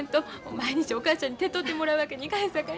毎日お母ちゃんに手伝うてもらうわけにいかへんさかいな。